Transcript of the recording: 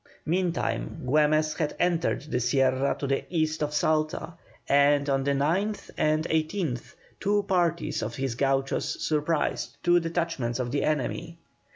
Meantime Güemes had entered the Sierra to the east of Salta, and on the 9th and 18th, two parties of his Gauchos surprised two detachments of the enemy.